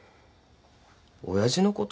親父のこと？